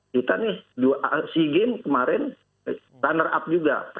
kita nih si game kemarin runner up juga